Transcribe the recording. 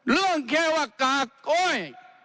เรื่องแค่ว่ากากอ้อย